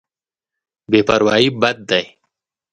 بې پروايي بد دی.